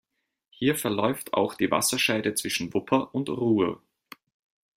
Hier verläuft auch die Wasserscheide zwischen Wupper und Ruhr.